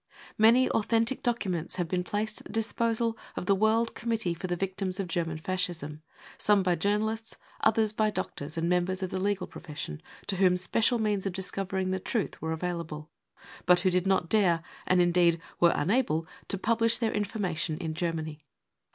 Many authentic documents have been placed # at the dis posal of the World Committee for the Victims of German Fascism : some by journalists, others by doctors and mem bers of the legal profession, to whom special means of dis covering the truth w^re available, but who did not dare and indeed were unable to publish their information in Ger many.